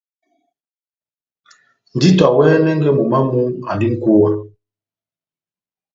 Ndito awɛnɛngɛ momó wamu, andi nʼkúwa.